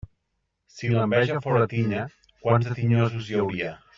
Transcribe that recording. Si l'enveja fóra tinya, quants de tinyosos hi hauria.